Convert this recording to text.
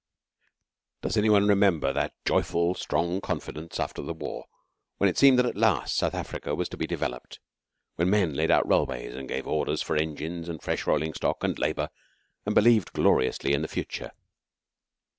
Does any one remember that joyful strong confidence after the war, when it seemed that, at last, South Africa was to be developed when men laid out railways, and gave orders for engines, and fresh rolling stock, and labour, and believed gloriously in the future?